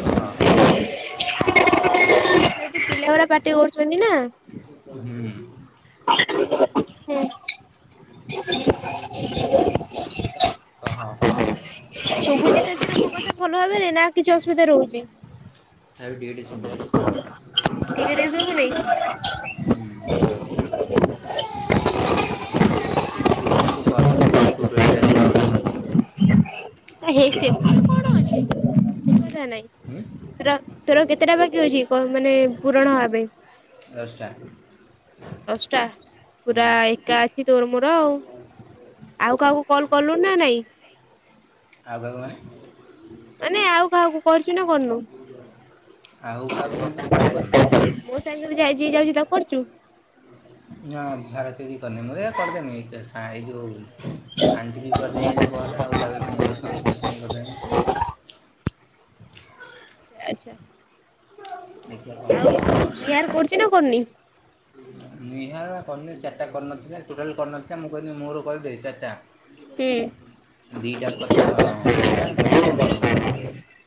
କହ। ପିଲଗୁରା ପାଟି ହୁଁ କରୁଚନ୍ତନା [unintelligible] ହୁଁ। ହୁଁ ହୁଁ। [unintelligible] ଭଲ ଭାବରେ ନା କିଛି ଅସୁବିଧା ରହୁଚି? ଆଉ ଡିଉଟି ଶୁଭୁନି ଏବେବି ସୁବୁନି? କିଛିନାଇଁ ତୁ କହ ତୁ କହ ତୋର ଏଇଟା ହେଇଯାଉ। ଏହେଇ ସେଥିରେ କଣ ଅଛି କିଛି କଥା ନାଇଁ। ହୁଁ ତୋ ତୋର ଆଉ କେତେଟା ବାକି ଅଛି କ ମାନେ ପୂରଣ ହବା ପାଇଁ ଦଶଟା ହୁଁ ଦଶଟା ପୁରା ଏକା ଅଛି ତୋର ମୋର ଆଉ ଆଉ କାହାକୁ କଲ୍ କଲୁନା ନାଇଁ? ଆଉ କାହାକୁ ମାନେ? ମାନେ ଆଉ କାହାକୁ କରିଚୁନା କରିନୁ ଆଉ କାହାକୁ ମାନେ କାହାକୁ କରିବି [unintelligible] ମୋ ସାଙ୍ଗରେ ଯାଇ ଯିଏ ଯାଉଚି ତାକୁ କରିଚୁ? ନା ଭାରତିକି କରିନି ମୁ ଏଇନା କରିଦେମି ଏଇ ସାଇଜି ହୋଉନି ଆନ୍ଟିକୁ କରିଦେ ନହଲେ ଆଉ ତାପରେ ସନ୍ତୋଷିକୁ କରିଥିନି। ଆଛା, ଦେଖିବା କ'ଣ ଆଉ ହେଉଛି [unintelligible] କରଚିନା କରିନି? ନିହାର କରିନି ଚାରିଟା କରିନଥିଲେ ଟୋଟାଲ୍ କରିନଥିଲା ମୁଁ କହିଲି ମୋର କରିଦେ ଚାରିଟା ହୁଁ। ଦୁଇଟା କ କଲା ଫେଣେ କଣ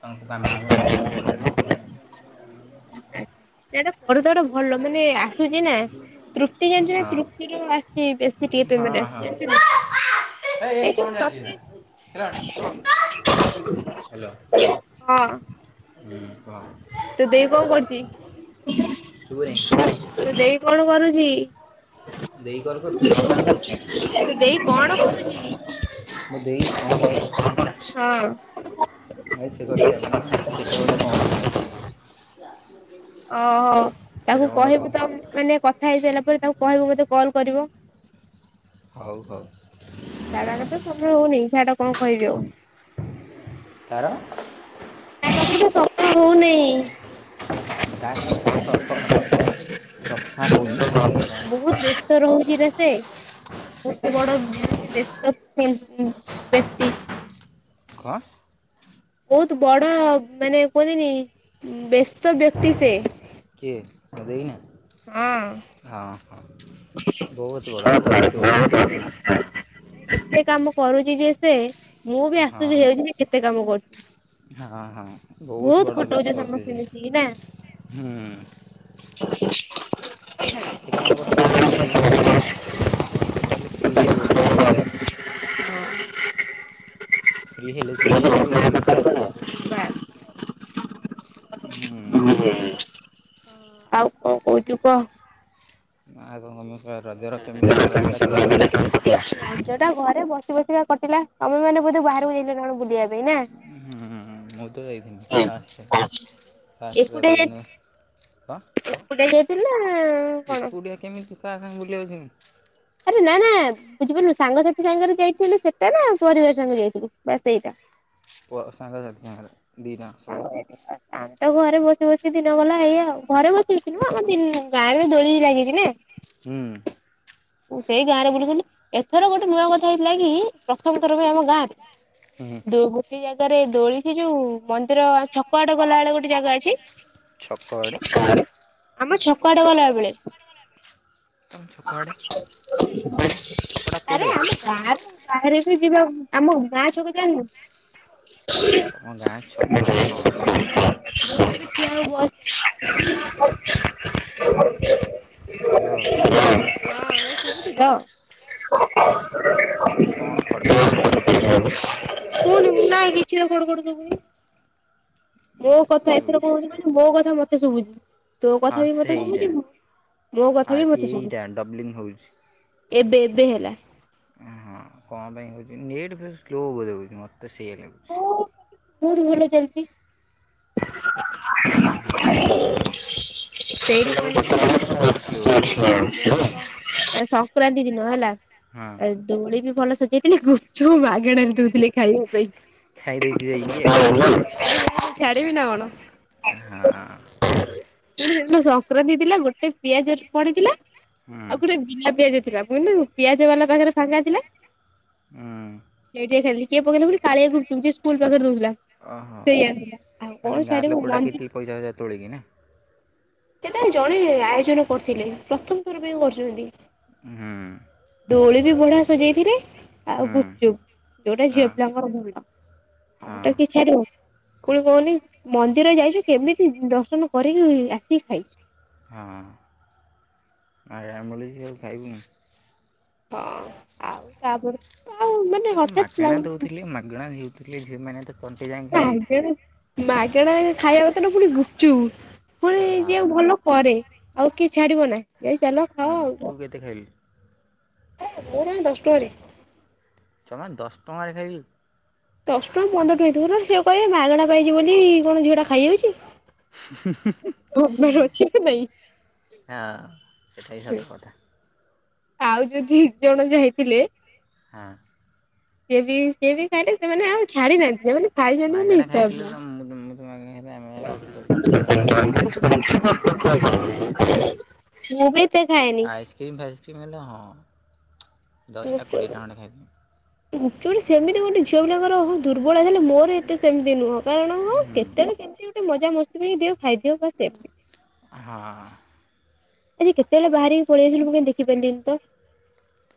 ତାଙ୍କୁ କାମ ଆଉ ଆଇଲାନି କଣ କଲାନି। ସିଆଡ଼େ ପଢ଼ୁଥିବ ଗୋଟେ ଭଲ ମାନେ ଆ [unintelligible] ନା ତୃତି ଜାଣିଚୁନା ହଁ ତୃତିର ଆସିଚି ବେଶୀ ଟିକେ ପେମଟ୍ ଆସିଚି ଜାଣିଚୁନା। ଏ ଏଇ କଣ ଚାଲିଚି ଏରା। [inaudible] ହାଲୋ ହଁ ହୁଁ କହ? ତୋ ଦେଇ କଣ କରୁଚି ଶୁଭୁନି ତୋ ଦେଇ କଣ କରୁଚି? ଦେଇ କଲ୍ କରୁଛି [unintelligible] ତୋ ଦେଇ ଟିକେ ରହ କଣ ଟିକେ ରହ କରିଚି? ମୋ ଦେଇ କଣ କରୁଚି? ଏ ସେ ଘରେ ଥିବ ତା ପେଟ ଗୋଟେ କଣ ହଉଛି ନା କଣ? ହଁ। [unintelligible] ଓହୋ ପେଟ ତାଙ୍କୁ ମୁଣ୍ଡ କଣ? କହିବୁତ ମାନେ କଥା ହେଇ ସାରିଲା ପରେ ତାଙ୍କୁ କହିବୁ ମତେ କଲ୍ କରିବ। ହଉ ହଉ। କାଡାରତ ସବୁବେଳେ ହଉନି ଛାଡ଼ କଣ କହିବି ଆଉ। ତାର ତାପାଖରେତ ସମୟ ହଉନେଇ। [unintelligible] ସଫ ସଫା ରହୁନି ବ ବେସ୍ତ ରହୁଚିନାସେ ଗୋଟେ ବଡ଼ ବେସ୍ତ ବେକ୍ତି। କଁ? ବହୁତ ବଡ ମାନେ କୁହନ୍ତିନି ବ୍ୟସ୍ତ ବ୍ୟକ୍ତି ସେ। କେ ମୋ ଦେଇ ନା? ହଁ ହଁ ହଁ ବହୁତ ବଡ଼ ବହୁତ ବଡ଼ ବ୍ୟସ୍ତ ବ୍ୟକ୍ତି ଏତେ କାମ କରୁଛି ଯେ ସେ? ମୁଁ ବି ହଁ ଆସୁଛି ହେଉଛି ଯେ କେତେ କାମ କରୁଛି ହଁ ହଁ ବହୁତ ବଡ଼ ଖଟଉଛ ବ୍ୟସ୍ତ ବ୍ୟସ୍ତ ବ୍ୟକ୍ତି ସମସ୍ତେ ମିଶିକି ନା। ସେ। ହୁଁ କେତେ କାମ କରଛି ସନ୍ଧ୍ୟାରୁ ଟୋଟାଲି ଫ୍ରି ହଉନି ହଁ ଫ୍ରି ହେଲେ ସିନା ତତେ କଲ୍ କରିବ। ବାସ୍ ହୁଁ ଆଉ କଣ କହୁଛୁ କୁହ? ନା ଆ କମ ଟା ଘରେ ବ [unintelligible] ବସି ବସି ବା କାଟିଲା। ତମେ ମାନେ ବୋଧେ ବାହାରକୁ ଯାଇଥିଲା ନା କଣ ବୁଲିବା। ପାଇଁ ନା? ଆ ମୁତ ଯାଇଥିଲି ଫାଷ୍ଟେ। ଫାଷ୍ଟ ଏକୁଟିଆ ରଜ ଯାଇଥିଲ? ଦିନ କଣ ଏକୁଟିଆ ଯାଇଥିଲେ ନା। ଏକୁଟିଆ କେମିତି କହା ସାଙ୍ଗେ ବୁଲିିବା ଅଛନ୍ତି। ଆରେ ନା ନା ବୁଝିପାରୁିଲୁ ସାଙ୍ଗସାଥି ସାଙ୍ଗରେ ଯାଇଥିଲୁ ସେଟା ନା ପରିବାର ସାଙ୍ଗରେ ଯାଇଥିଲୁ ବା ସେଇଟା। ପ ସାଙ୍ଗ ସାଥି ସାଙ୍ଗରେ। ଦିଟା ସବୁ [unintelligible] ଆମେ ତ ଘରେ ବସି ବସିି ଦିନ ଗଲା। ଏଇ ଆଉ ଘରେ ବସି ବସି ନୁହେଁ। ଆମ ଗାଁରେ ତ ଦୋଳି ଲାଗିଛି ନା ହୁଁ। ସେଇ ଗାଁ ରେ ବୁଲୁଥିଲୁ ଏଥର ଗୋଟେ ନୂଆ କଥା ହେଇଥିଲା କି ପ୍ରଥମ ଥର ପାଇଁ ଆମ ଗାଁରେ। ହୁଁ ହୁଁ। ଗୋଟେ ଜାଗାରେ ଦୋଳି। ସେ ଯୋଉ ମନ୍ଦିର ଛକ ଆଡ ଗଲାବେେଳେ ଗୋଟେ ଜାଗା ଅଛି। ଛକ ଆଡ଼େ କୁଆଡେ ଆମ ଛକ, ଆଡେ ଗଲା ବ ବେଳେ। ତମ ଛକ ଆଡେ ଛକଟା କୋଉଠେ। ବାହାରେ। ବାହାରେ ବି ଯିବାକୁ ଆମ ଗାଁ ଛଅକୁ ଜାଣିନୁ। ତମ ଗାଁ ଛକ, ହଁ କହ କୋଉଠି। [unintelligible] ହ୍ୟାଲୋ। ଆଜ୍ଞା ହଁ କ [unintelligible] କୋଉଠି କଣ ଖଡ଼ ନାଇଁ ଖଡ଼ ଶୁଭୁଛି କିଛି ତ ଖଡ଼ ଖଡ଼ ଶୁଭୁନି। ମୋ ମୋତେ ତ କଥା ଏଥର ଶୁଭୁଛି କଣ ହଉଛି କହିଲ। ମୋ କଥା ମତେ ଶୁଭୁଛି। ତୋ କଥା ହଁ ବି ମତେ ସେଇଟା ଶୁଭୁଛି ମୋ ଆ କଥା ବି ମତେ ଶୁଭୁଛି ଏଇଟା ଡବ୍ଲିଙ୍ଗ ହେଉଛି। ଏବେ ଏବେ ହେଲା। ହଁ କଣ ପାଇଁ ହେଉଛି ନେଟ୍ ଫେଟ ସ୍ଲୋ ବୋଧେ ହଉଛି। ମତେ ସେୟା ଲାଗୁଛି। ବହୁତ ଭଲ, ଚାଲିଛି। ହଁ। ହେଉଛି ନା [unintelligible] ସଂକ୍ରାନ୍ତି ଦିନ ହେଲା। ହଁ। ଆଉ ଦୋଳି ବି ଭଲ ସଜେଇଥିଲେ। ଗୁପଚୁପ୍ ମାଗଣାରେ ଦୋଉଥିଲେ ଖାଇବା ପାଇଁ। ଖାଇଦେଇଛି ଯାଇକି ଆଉ [unintelligible] ଛାଡିବିନା କଣ। ହଁ। [unintelligible] ସେଦିନ ସଂକ୍ରାନ୍ତି ଥିଲା। ଗୋଟେ ପିଆଜ ପଡିଥିଲା। ହୁଁ ଆଉ ଗୋଟେ ବିନା ପିଆଜ ଥିଲା ବୋଲି ମୁଁ ପିଆଜ ବାଲା ପାଖରେ ଫାଙ୍କା ଥିଲା। ହୁଁ ଡେରିରେ ଖାଇଲି। କିଏ ପକେଇଲା କହିଲୁ କାଳିଆ ଗୁପଚୁପ ଯିଏ ସ୍କୁଲ ପାଖରେ ଦୋଉଥିଲା। ଓହୋ ସେଇ ଆଣିଥିଲା ଆଉ କଣ ମାନେ ଗାଁ ଛାଡିବୁ ଲୋକ ମନ୍ଦିର ଡାକିଥିଲେ ପଇଷା ଫଇଷା ତୋଳିକିନା। ସେଟା ଜଣେ ଆୟୋଜନ କରିୁଥିଲେ। ପ୍ରଥମ ଥର ପାଇଁ କରୁଚନ୍ତି। ଉଁ। ଦୋଳି ବି ବଢିଆ ସଜେଇଥିଲେ ଆଉ ହୁଁ ଗୁପଚୁପ ଯୋଉଟା ହଁ ଝିଅ ପିଲାଙ୍କର ଭଲ। ଆମେ ତାକୁ ହଁ କି ଛାଡୁ। କଣ କହୁନି ମନ୍ଦିର ଯାଇଚୁ କେମିତି ଦର୍ଶନ କରିକି ଆସିକି ଖାଇବୁ। ହଁ। ଆ ମିଳୁଚି ଆଉ ଖାଇବୁନି। ହଁ ଆଉ ତାପରେ ଆଉ ମାନେ ତତେ ହଠାତ୍ ମାଗଣା ଦଉଥିଲେ ମାଗଣା ହେଉଥିଲେ। ସେମାନେ ତ ତଣ୍ଟି ଯାଏଁ ଖାଇ ଦେଇଥିବେ। ମାଗଣା ଖାଇବା କଥା ଟା ଫୁଣି ଗୁପଚୁପ ଫୁଣି ଯିଏ ହଁ ଭଲ କରେ ଆଉ କିଏ ଛାଡିବ ନା ଯାଇ ଚାଲ ଖାଅ ହୁଁ ଆଉ। ତୁ କେତେ ଖାଇଲୁ? ମୁଁ ଜମା ଦଶ ଟଙ୍କାରେ। ଜମା ଦଶ ଟଙ୍କାରେ ଖାଇଲୁ। ଦଶ ଟଙ୍କା ପନ୍ଦର ଟଙ୍କା ହେଇଥିବ। ନହେଲେ ସେ କହିବେ ମାଗଣା ପାଇଚି ବୋଲି କଣ ଝିଅଟା ଖାଇଯାଉଚି। ସବର ଅଛି କି ନା ନାଇଁ? ହଁ ସେଟା ବି ସତ କଥା। ଆଉ ଯୋଉ ଦି ଜଣ ଯାଇଥିଲେ। ହଁ। ସିଏ ବି ସିଏ ବି ଖାଇଲେ ସେମାନେ ଆଉ ଛାଡି ନାହାନ୍ତି। ସେମାନେ ଖାଇଚନ୍ତି ମାନେ ହିସାବ ବାହାରେ। ମୁଁ ତ ମୁଁ ତ ମାଗାଣା ଖାଇଥିଲେ ଆମେ [unintelligible] [inaudible] ତଣ୍ଟି ଯାଏଁ ଖାଇଲୁ ଗୁପଚୁପ୍ ଏତେ କିଏ ଖାଏ ମୁଁ ଖାଏ ନା ଏତେ। [unintelligible] ମୁଁ ବି ଏତେ ଖାଏନି। କ୍ରିମ୍ ଫାଇସ୍କ୍ରିମ୍ ହେଲେ ହଁ ଦଶଟା କୋଡିଏଟା ଖଣ୍ଡେ ଖାଇଦେବି। ଆକଚୁଆଲି ସେମିତି ଗୋଟେ ଝିଅପିଲାଙ୍କର ବୋହୁତ ଦୁର୍ବଳ ହେଲେ ମୋର ଏତେ ସେମିତି ନୁହଁ। କାରଣ ହଁ ହୁଁ କେତେବେଳେ କେମିତି ଗୋଟେ ମଜା ମସ୍ତି ପାଇଁ ଦିଅ ଖାଇଦିଅ ବାସ୍ [unintelligible] ହଁ। ଆଜି କେତେବେଳେ ବାହାରିକି ପଳେଇ ଆସିଲୁ। ମୁଁ କାଇଁ ଦେଖିପାଇଲିନି ତ।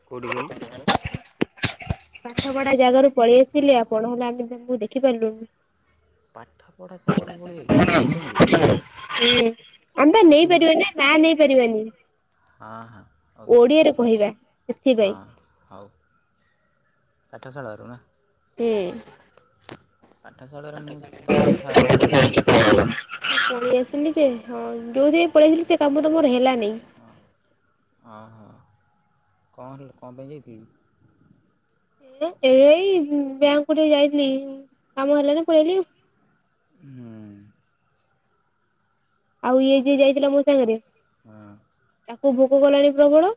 କୋଉଠି କହିଲୁ? ପାଠପଢା ଜାଗାରୁ ପଳେଇ ଆସିଲି ଆଉ [unintelligible] ତୁ ଦେଖିପାରିଲୁନି। ପାଠପଢା ଜାଗରୁ ପଳେଇ ଆଇଲୁ କୋଚିଙ୍ଗ ନେଲୁ। ହୁଁ ଆମେ ପା ନେଇପାରିବାନି ନାଁ ନେଇ ପାରିବାନି ହଁ ହଁ ହଉ ଓଡିଆରେ କହିବା ସେଥିପାଇଁ। ହୋଉ ପାଠଶାଳାରୁ ନା। କିଏ? ପାଠଶାଳରୁ ମୁଁ ତମେ ତ ମୁଁ ଫାଷ୍ଟ ପଳେଇ ଆଇଲ। ପଳେଇ ଆସିଲି ଯେ ହଁ ଯୋଉଥିପାଇଁ ପଳେଇଥିଲି ସେ କାମ ତ ମୋର ହେଲାନେଇ। ହଁ ହଁ ହଁ, କଣ କଣ ପାଇଁ ଯାଇଥିଲୁ? ଏବେ ଏଇ ବ୍ୟାଙ୍କ କୁ ଟିକେ ଯାଇଥିଲି କାମ ହେଲାନ ପଳେଇ ଆଇଲି ଆଉ। ହୁଁ। ଆଉ ଇଏ ଯିଏ ଯାଇଥିଲା ମୋ ସାଙ୍ଗ ରେ ହଁ। ତାକୁ ଭୋକ କଲାଣି ପ୍ରବଳ।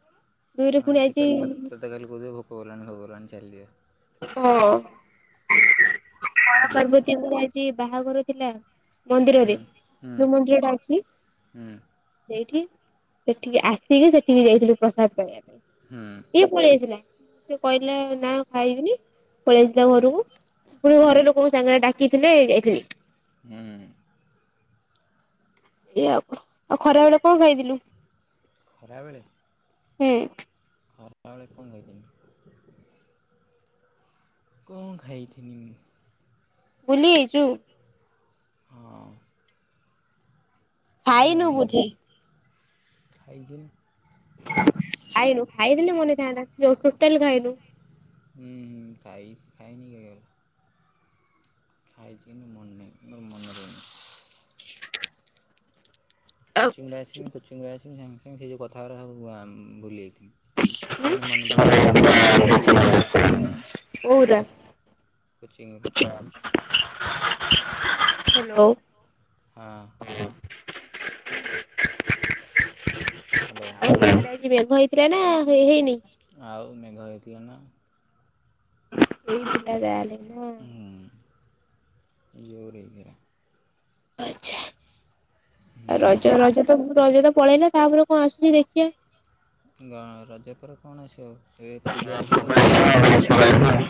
ଦୁଇରେ ହଁ, ପୁଣି ସିଏ ଆଜି ଖାଲି ତତେ ଖାଲି କହୁଥିବେ ଭୋକ କଲାଣି ଭୋକ କଲାଣି ଚାଲ ଯିବା। ହଁ। ହର ହୁଁ ପାର୍ବତୀଙ୍କର ଆଜି ବାହାଘର ଥିଲା। ହୁଁ ମନ୍ଦିରରେ। ହୁଁ ଯୋଉ ମନ୍ଦିର ଟା ଅଛି। ହୁଁ ସେଇଠି, ସେଠିକି ଆସିକି ସେଠିକି ଯାଇଥିଲୁ ପ୍ରସାଦ ପାଇଁ ଆମେ। ହୁଁ ସିଏ ପଳେଇ ଆଇଥିଲା। ସେ କହିଲା ନା ଖଇବିନି ପଳେଇ ଆଇଥିଲା ଘରକୁ। ପୁଣି ଘରେ ଲୋକଙ୍କ ସାଙ୍ଗରେ ଡାକିଥିଲେ ଯାଇଥିଲି। ହୁଁ। ଏଇ ଆଉ କଣ। ଆଉ ଖରା ବେଳେ କଣ ଖାଇଥିଲୁ? ଖରାବେଳେ? ହୁଁ। ଖରାବେଳେ କଣ ଖାଇଥିଲି? କଣ ଖାଇଥିନି? ଭୁଲି ଯାଇଛୁ? ହଁ। ଖାଇନୁ ବୋଧେ। [unintelligible] ଖାଇନୁ, ଖାଇଥିଲେ ମନେ ଥାଆନ୍ତା। ଯୋଉ ଟୋଟାଲି ଖାଇନୁ। ହଁ ଖାଇ, ଖାଇ ନି କିଏ କହିଲା? ଖାଇଛି କିନ୍ତୁ ମନେ ନାହିଁ। ମୋର ମନେ ରହୁନି। କୋଚିଂ ରୁ ଆସିବି କୋଚିଂ ରୁ ଆସିବି ସାଙ୍ଗେ ସାଙ୍ଗେ ସେ ଯେଉଁ କଥାଉରା ସବ ଭୁଲି ଯାଇଥିବି। ଫୁଣି ମନେ ପଡ଼ିବ ଦୁଇ ଚାରି ଘଣ୍ଟା ପରେ। କଉରା? କୋଚିଂ। ହ୍ୟାଲୋ। ହଁ। [inaudible] ହ୍ୟାଲୋ। [unintelligible] ଆଜି ମେଘ ହେଇଥିଲା ନା ହେଇନି? ଆଉ ମେଘ ହେଇଥିଲା ନା। ହେଇଥିଲା ତାହେଲେ। ନା। ହିଁ ଜୋରେ ହେଇଥିଲା। ଆଚ୍ଛା। ରଜ ରଜ ହୁଁ ତ ରଜ ତ ପଳେଇଲା ତାପରେ କଣ ଆସୁଛି ଦେଖିବା। ରଜ ପରେ କଣ ଆସିବ, ଏବେ ପୂଜା ଆସିବ ଗଣେଶ ପୂଜା ହେରିକା।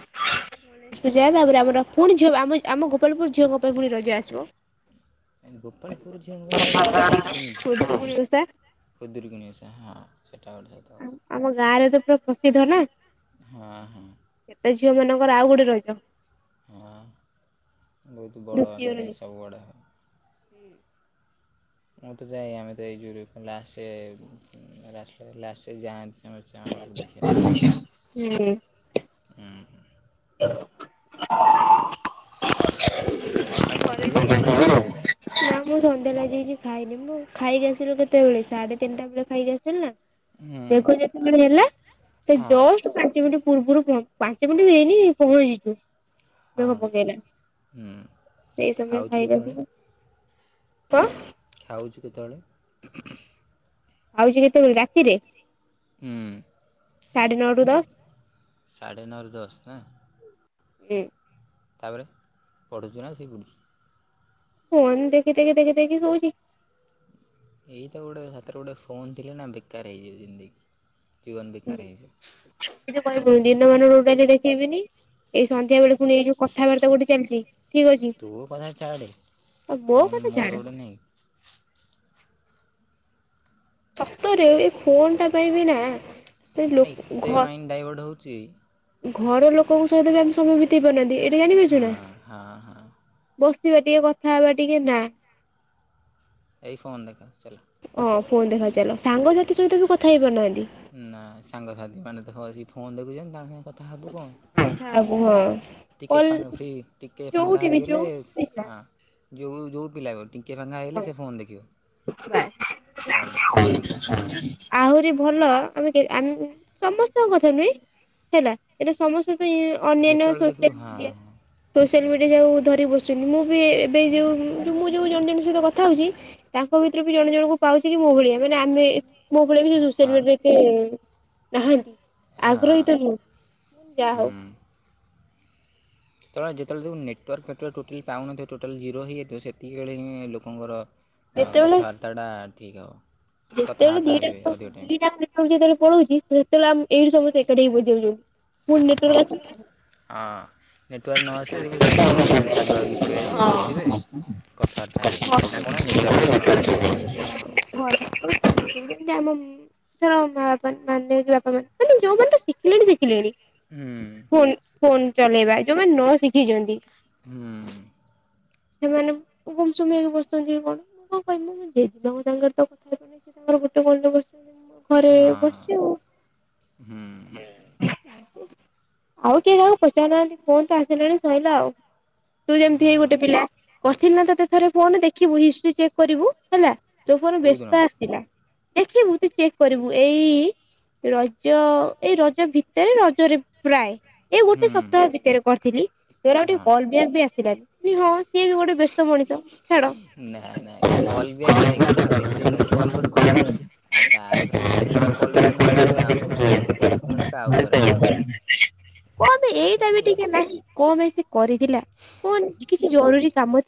[inaudible] ଗଣେଶ ପୂଜା ତାପରେ ଆମର ପୁଣି ଝିଅ ଆମ ଆମ ଗୋପାଳପୁର ଝିଅଙ୍କ ପାଇଁ ପୁଣି ରଜ ଆସିବ। ଗୋପାଳପୁର ଝିଅ ଙ୍କ ପାଇଁ ରଜ, କେମିତି? ପୁଣି ଓଷା ଖୁଦୁରୁକୁଣୀ ଓଷା, ହଁ ସେଇଟା ଗୋଟେ। କଥା ଆମ ଆମ ଗାଁରେ ତ ପୁରା ପ୍ରସିଦ୍ଧ ନା। ହଁ ହଁ ସେଟା ଝିଅ ମାନଙ୍କର ଆଉ ଗୋଟେ ରଜ। ହଁ ବହୁତ ବଡ଼ ଆକାର ରେ ସବୁଆଡ଼େ ହ ହୁଁ। ମୁଁ ତ ଯାଏ, ଆମେ ତ ଏଇ ଜୁରି କୁ ଲାଶେ ରାଶଲେ ଲାଶେ ରେ ଯାଆନ୍ତି ସମସ୍ ଚାଙ୍ଗାର ଦେଖିଆ ପାଇଁ। ଉଁ ହୁଁ। [inaudible] ଆଉ କ'ଣ ଖାଇସାରିଲୁଣି ଖବର। ନାଁ, ମୁଁ ସନ୍ଧ୍ୟାବେଳେ ଆଜି କିଛି ଖାଇନି। ମୁଁ ଖାଇକି ଆସିଥିଲୁ କେତେବେଳେ! ସାଢେ ତିନିଟା ବେଳେ ଖାଇକି ଆସିଥିଲି ନା। ହୁଁ ମେଘ ଯେତେବେଳେ ହେଲା, ସେ ହଁ ଜଷ୍ଟ ପାଞ୍ଚ ମିନ୍ଟି ପୂର୍ବରୁ ପହ, ପାଞ୍ଚ ମିନ୍ଟି ବି ହେଇ ହେଇ ସବୁ ହେଇଯିଚୁ। ହଁ ମେଘ ପକେଇଲା। ହୁଁ ସେଇ ସମୟ ରେ ଖାଉଛୁ ଖାଇକି କେତେବେଳେ ଆସିଲୁ। ଖାଉଛୁ କେତେଅଳେ? ଖାଉଛି କେତେବେଳେ ରାତିରେ? ଉଁ। ସାଢ଼େ ନଅ ରୁ ଦଶ। ସାଢ଼େ ନଅ ରୁ ଦଶ ନା! ହିଁ। ତା'ପରେ ପଢ଼ୁଛୁ ନା ଶୋଇପଡୁଛୁ? ଫୋନ୍ ଦେଖି ଦେଖି ଦେଖି ଦେଖି ଶୋଉଛି। ଏଇ ତ ଗୋଡେ ହାତରେ ଗୋଡେ ଫୋନ୍ ଥିଲେ ନା, ବେକାର ହେଇଯାଏ ଜିନ୍ଦେଗୀ। ଜୀବନ ବେକାର ହେଇଯାଏ। ସେମିତି କହିବୁନୁ, ଦିନମାନ ଟୋଟାଲି ଦେଖେଇବିନି। ଏଇ ସନ୍ଧ୍ୟା ବେଳୁ ପୁଣି ଏଇ ଯୋଉ କଥାବାର୍ତ୍ତା ଗୋଟେ ଚାଲ୍ ଚି ତୋ କଥା ଛାଡ଼େ! ଆଉ ମୋ ଫୋନ୍ କଥା ମୋର ଛାଡ। ଗୋଟେ ନେ। ସତରେ ଏ ଫୋନ୍ ଟା ପାଇଁବି ନାଁ ମାନେ ଏତେ ମାଇଣ୍ଡ ଡାଇଭର୍ଟ ହଉଚି। ଘର ଲୋକଙ୍କ ସହିତ ବି ଆମେ ସମୟ ବିତେଇ ପାରୁନାହାଁନ୍ତି, ଏଇଟା ଜାଣିପାରୁଛୁ ନା! ହଁ ହଁ ହଁ ବସିଥିବା ଟିକେ, କଥା ହବା ଟିକେ ନା। ଏଇ ଫୋନ୍ ଦେଖା ଚଲା। ହଁ, ଫୋନ୍ ଦେଖା ଚାଲ। ସାଙ୍ଗସାଥି ସହିତ ବି କଥା ହେଇ ପାରୁନାହାଁନ୍ତି। ନାଁ, ସାଙ୍ଗସାଥି ମାନେ ତ ବସି ଫୋନ୍ ଦେଖୁଛନ୍ତି। ତାହାନେ ଆଚ୍ଛା, କୁହ। ଟିକେ ଫାଙ୍କା, ଫ୍ରି ଟିକେ ଫାଙ୍କା ହେଇଗଲେ ଯୋଉଠି ବି ହାଁ। ଯୋଉ ଯୋଉ ପିଲା ବି ହଉ, ଟିକିଏ ଫାଙ୍କା ହେଇଗଲେ, ସେ ଫୋନ୍ ଦେଖିବ। ହୁଁ, ଫୋନ୍ ଦେଖିବ ଫୋନ୍ ଦେଖିବ ହୁଁ। ଆହୁରି ଭଲ ଆମେ କେ ଆମ୍ ସମସ୍ତଙ୍କ କଥା ନୁହେଁ। ହେଲା ଏଟା ସମସ୍ତେ ତ, ଅନ୍ୟାନ୍ୟ ଯେତେବେଳେ ଦେଖିବୁ ସୋସିଆଲ୍ ମିଡିଆ ହଁ ସୋସିଆଲ୍ ମିଡ଼ିଆ ଯଉ ଧରି ବସୁଛନ୍ତି, ମୁଁ ବି ଏବେ ଯେଉଁଁ ମୁଁ ଯଉ ଜଣ ଜଣଙ୍କ ସହିତ କଥା ହଉଛି। ତାଙ୍କ ଭିତରରୁ ବି ଜଣ ଜଣଙ୍କୁ ପାଉଛି କି ମୋ ଭଳିଆ, ମାନେ ଆମେ ମୋ ଭଳିଆ ହଁ [unintelligible] କି ନାହାଁନ୍ତି, ଆଗ୍ରହୀ ହଁ ତ ନୁହୁଁ, ଯାହା ହଉ। ହୁଁ ତଳେଯେତେବେଳେ ଦେଖିବୁ ନେଟ୍ ୱାର୍କ ଫେଟ୍ ୱାର୍କ୍ ଟୋଟାଲ୍ ପାଉନଥିବ ଟୋଟାଲ୍ ଜିରୋ ହେଇଯାଇଥିବ, ସେତିକିବେଳେ ହିଁ ଲୋକଙ୍କର ହଁ, କଥାବାର୍ତ୍ତାଟା ଠିକ୍ ହବ। ଯେତେଳେ ଦିଟା ଦଉ ଦିଇଟା-ଆ। [unintelligible] ଯେତେଳେ ପଲଉଛି, ସେତେବେଳେ ଆମ୍ ଏଇଠି ସମସ୍ତେ ଏକାଠି ହେଇ ବସ୍ ଯାଉଛନ୍ତି। ପୁଣି ନେଟ୍ ୱାର୍କ ଆସିଲେ ଯାଇ ଅଁ ନେଟ୍ ୱାର୍କ ନ ଆସିଲେ, ଦେଖିବୁ, ସବୁ ସମସ୍ତେ ସାଙ୍ଗ ହେଇକି ପଳେଇଆସିବେ, ବସିବେ, କଥାଆର୍ତ ଆର୍ତା ହେବେ। ନା' କଣ? ନେଟ୍ ୱାର୍କ ଟା ପାଉନି। [unintelligible] ଆମମ୍ ଥର ମା ବାପାନ୍ ମାନେ ଯଉ ବାପା ମାନ୍, ମାନେ ଯୋଉମାନେ ତ ଶିଖିଲେଣି ଶିଖିଲେଣି ହୁଁ ଫୋନ୍ ଫୋନ୍ ଚଲେଇବା। ଯୋଉମାନେ ନ ଶିଖିଛନ୍ତି ହୁଁ। ସେମାନେ ଗୁମସୁମ ହେଇି ବସଛନ୍ତି କଣ ମୁଁ କଣ କହିବ ମୁ ଯିବା ସାଙ୍ଗରେ ତ [unintelligible] ଖାଇପି ସେ ତମର ଗୋଟ ଗଣ୍ଡ ବୁ [unintelligible] ଘରେ ବସିଛି ଆଉ ହଁ ହୁଁ ଆଉ କେହି ଜଣ ପଚାର ନାହାନ୍ତି କଣ ତ ଆସିଲାଣି ଶଈଲା ଆଉ ତୁ ଯେମିତି ହେଇ ହଁ ଗୋଟେ ପିଲା କରିଥିଲି ନା ତତେ ଥରେ ଫୋନ୍ ଦେଖିବୁ ହିଷ୍ଟ୍ରି ଚେକ୍ କରିବୁ ହେଲା ତୋ ଫୋନ୍ ବ୍ୟସ୍ଥ କେଉଁଦିନ ଦେଖିବୁ ତୁ ଚେକ୍ କରିବୁ ଏଇ ରଜ ଏଇ ରଜ ଭିତରେ ରଜରେ ପ୍ରାୟ ଏ ହୁଁ ଗୋଟେ ସପ୍ତାହ ଭିତରେ କରିଥିଲି ଗୋଟେ ହଁ କ ବି ଆସିଲାନ ହଁ ସିଏ ବି ଗୋଟେ ମଣିଷ ଛାଡ। ନାଇଁ ନାଇଁ କଲ୍ ବି ଆଜ୍ଞା ଦେଇକି ମୁଁ ଥରେ ଲେଖିଦଲି ନା ତୁ କଲ୍ କଣ କରୁଛୁ। ଆଉ ତାପରେ ଯଦି ସେତେବେଳେ କଲ୍ ବ୍ୟାକ୍ ନ କଲି ପୁଣି ଆଉ କେତେବେଳେ କଲ ବ୍ୟାକ୍ କୁଡା ଆଉ କରେ ନା କମ ଏଇଟା ବି ବେଳେ ଟିକେ ନାହିଁ କଣ ପାଇଁ ସେ କରିଥିଲା କଣ କିଛି ଜରୁରୀ କାମ